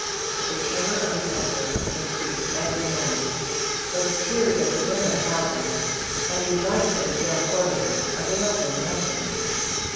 The terror of the emperor increased every moment, but the tears of the women about him and the advice of his young courtiers, availed him nothing.